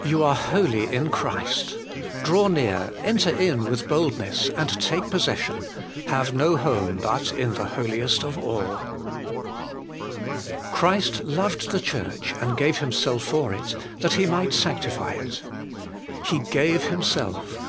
You are 'holy in Christ' draw near, enter in with boldness, and take possession have no home but in the Holiest of all. 252 HOLY IN CHRIST. 2. 'Christ loved the Church, and gave Himself for it, that He might sanctify It.' He gave Himself